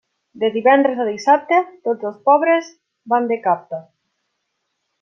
De divendres a dissabte, tots els pobres van de capta.